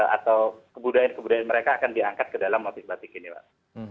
atau kebudayaan kebudayaan mereka akan diangkat ke dalam motif batik ini pak